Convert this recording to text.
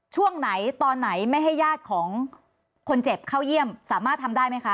ช่วงไหนตอนไหนไม่ให้ญาติของคนเจ็บเข้าเยี่ยมสามารถทำได้ไหมคะ